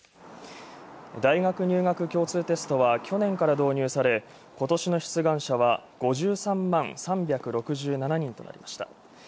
大学入学共通テストは去年から導入され、今年の出願者は５３万３６７人となりました。